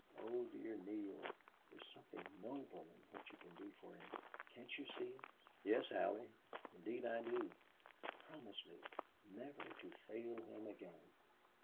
Oh, dear Neale, there is something noble in what you can do for him. Can't you see it?" "Yes, Allie, indeed I do." "Promise me never to fail him again."